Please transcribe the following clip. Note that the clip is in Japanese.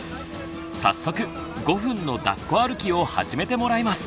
早速５分のだっこ歩きを始めてもらいます。